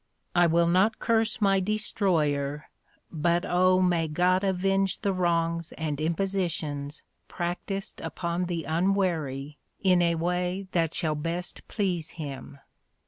I will not curse my destroyer, but oh! may God avenge the wrongs and impositions practised upon the unwary in a way that shall best please Him.